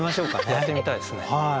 やってみたいですね。